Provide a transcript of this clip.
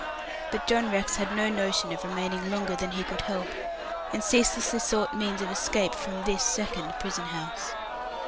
But John Rex had no notion of remaining longer than he could help, and ceaselessly sought means of escape from this second prison house.